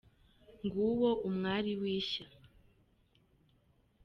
Nguwo umwari w’ishya